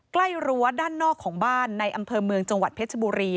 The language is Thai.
รั้วด้านนอกของบ้านในอำเภอเมืองจังหวัดเพชรบุรี